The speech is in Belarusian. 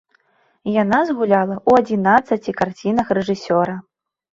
Яна згуляла ў адзінаццаці карцінах рэжысёра.